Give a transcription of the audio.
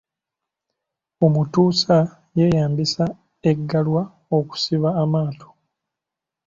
Omutuusa yeeyambisa Eggalwa okusiba amaato.